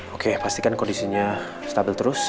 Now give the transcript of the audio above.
oke pastikan kondisinya stabil terus